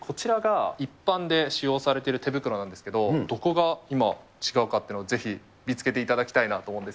こちらが、一般で使用されてる手袋なんですけど、どこが今、違うかっていうのをぜひ見つけていただきたいなと思うんです